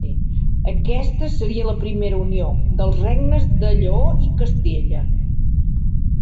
Aquesta seria la primera unió dels regnes de Lleó i Castella.